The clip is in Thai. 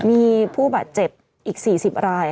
มีผู้บาดเจ็บอีก๔๐ราย